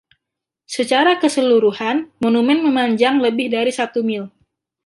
Secara keseluruhan, monumen memanjang lebih dari satu mil.